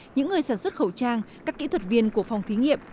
những người sản xuất khẩu trang các kỹ thuật viên của phòng thí nghiệm